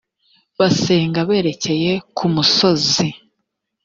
basenga berekeye kumusozi